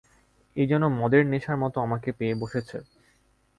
এ যেন মদের নেশার মতো আমাকে পেয়ে বসেছে।